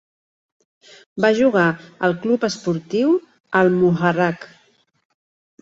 Va jugar al Club Esportiu Al-Muharraq.